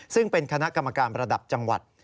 ซึ่งเป็นคณะกรรมการระดับจังหวัด